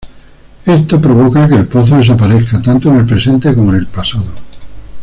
Esto provoca que el pozo desaparezca, tanto en el presente como en el pasado.